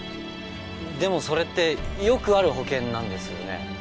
でもそれってよくある保険なんですよね？